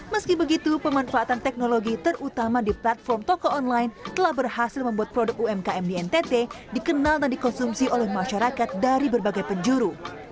meski begitu pemanfaatan teknologi terutama di platform toko online telah berhasil membuat produk umkm di ntt dikenal dan dikonsumsi oleh masyarakat dari berbagai penjuru